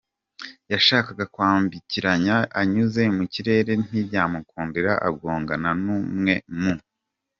yashakaga kwambikiranya anyuze mu kirere ntibyamukundira agongana numwe mu.